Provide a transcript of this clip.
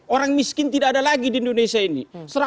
orang miskin tidak ada lagi di indonesia ini